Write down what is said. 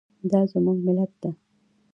دا زموږ ملت ده